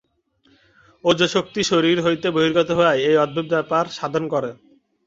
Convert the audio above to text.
ওজঃশক্তি শরীর হইতে বহির্গত হইয়াই এই অদ্ভুত ব্যাপার সাধন করে।